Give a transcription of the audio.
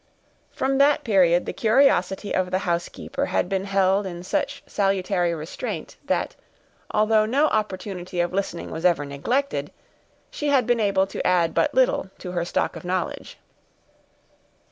From that period the curiosity of the housekeeper had been held in such salutary restraint, that, although no opportunity of listening was ever neglected, she had been able to add but little to her stock of knowledge.